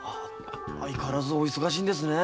相変わらずお忙しいんですね。